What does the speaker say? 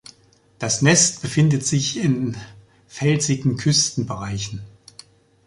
Das Nest befindet sich in felsigen Küstenbereichen.